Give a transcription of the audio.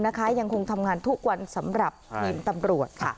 ยังคงทำงานทุกวันสำหรับทีมตำรวจค่ะ